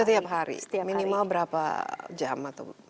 setiap hari minimal berapa jam atau